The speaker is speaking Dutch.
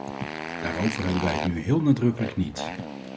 Daarover hebben wij het nu heel uitdrukkelijk níet.